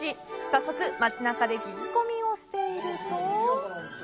早速、町中で聞き込みをしていると。